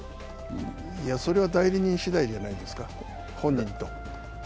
それは代理人しだいじゃないですか、本人と。